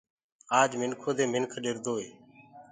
آج منکو دي منک ڏردوئي